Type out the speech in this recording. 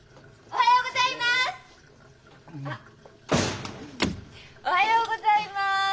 おはようございます。